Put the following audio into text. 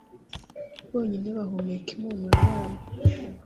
Bonyine bahumeka impumuro yayo